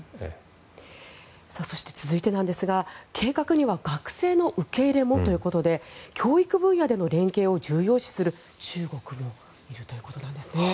続いて、計画には学生の受け入れもということで教育分野での連携を重要視する中国もいるということですね。